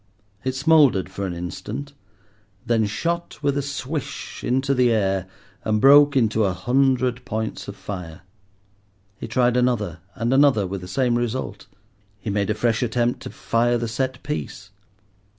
It smouldered for an instant, then shot with a swish into the air and broke into a hundred points of fire. He tried another and another with the same result. He made a fresh attempt to fire the set piece.